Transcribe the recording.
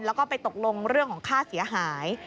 แล้วก็ไปตกลงเรื่องของค่าเสียหาย